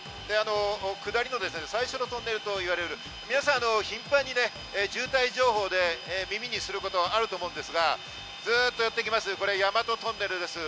下りの最初のトンネルといわれる、皆さん頻繁に渋滞情報で耳にすることがあると思いますが、ずっとやってきます、これ大和トンネルです。